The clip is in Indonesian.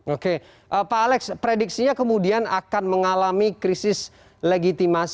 oke pak alex prediksinya kemudian akan mengalami krisis legitimasi